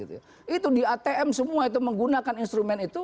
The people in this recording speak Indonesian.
itu di atm semua itu menggunakan instrumen itu